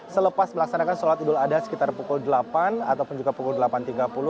selepas melaksanakan sholat idul adha sekitar pukul delapan ataupun juga pukul delapan tiga puluh